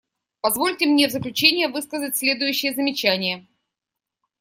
Позвольте мне в заключение высказать следующие замечания.